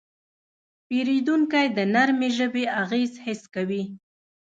پیرودونکی د نرمې ژبې اغېز حس کوي.